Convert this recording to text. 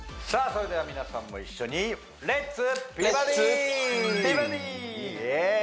さあそれでは皆さんも一緒にイエーイ